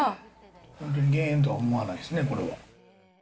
本当に減塩とは思えないですね、これは。